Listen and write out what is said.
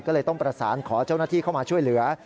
ก็เลยต้องประสานขอเจ้าหน้าที่เข้ามาช่วยเหลือ